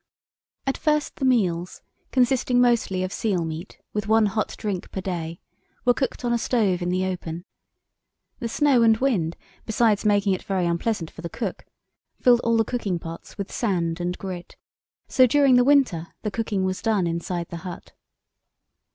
At first the meals, consisting mostly of seal meat with one hot drink per day, were cooked on a stove in the open. The snow and wind, besides making it very unpleasant for the cook, filled all the cooking pots with sand and grit, so during the winter the cooking was done inside the hut.